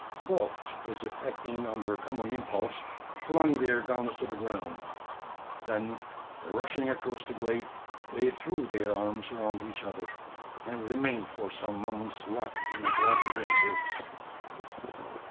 Both, as if acting under a common impulse, flung their guns to the ground. Then, rushing across the glade, they threw their arms around each other; and remained for some moments locked in a brotherly embrace.